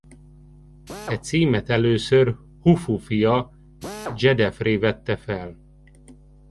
E címet először Hufu fia Dzsedefré vette fel.